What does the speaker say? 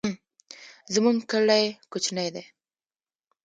زمونږ کلی کوچنی دی